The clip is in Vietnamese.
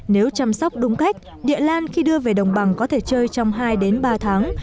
nếu chăm sóc đúng cách địa lan khi đưa về đồng bằng có thể chơi trong hai đến ba tháng